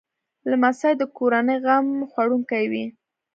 لمسی د کورنۍ غم خوړونکی وي.